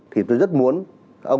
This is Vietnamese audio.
thì tôi rất muốn